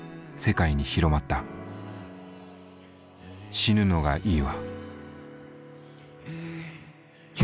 「死ぬのがいいわ」。